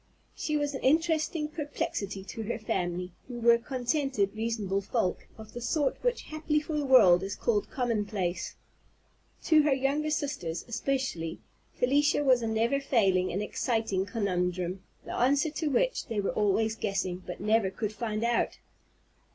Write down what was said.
She was an interesting perplexity to her family, who were contented, reasonable folk, of the sort which, happily for the world, is called commonplace. To her younger sisters, especially, Felicia was a never failing and exciting conundrum, the answer to which they were always guessing, but never could find out.